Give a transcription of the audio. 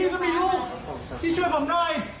ที่จะช่วยผมหน่อย